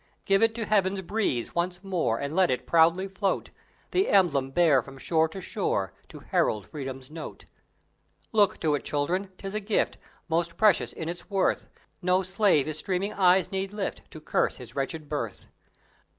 Give it to Heaven's breeze, once more, And let it proudly float! The emblem bear from shore to shore, To herald Freedom's note! Look to it, Children! 'Tis a gift Most precious in its worth; No slave his streaming eyes need lift To curse his wretched birth!